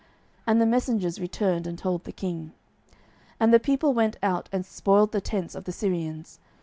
And the messengers returned, and told the king. 12:007:016 And the people went out, and spoiled the tents of the Syrians.